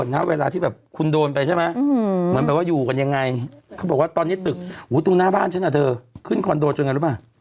มันแปลว่าอยู่กันยังไงเขาบอกว่าตอนนี้ตึกอุ๊ยตรงหน้าบ้านฉันนะเธอขึ้นคอนโดจนยังไงรู้ป่ะ